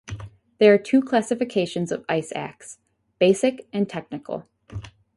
There are two classifications of ice axe, Basic and Technical.